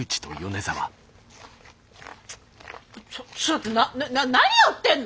ちょっとな何やってんの！？